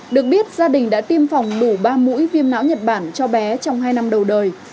được biết gia đình đã tiêm phòng đủ ba mũi viêm não nhật bản cho bé trong hai năm đầu đời